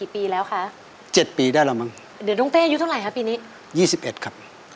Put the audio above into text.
ปีแล้วคะ๗ปีได้แล้วมั้งเดี๋ยวน้องเต้อายุเท่าไหร่คะปีนี้๒๑ครับ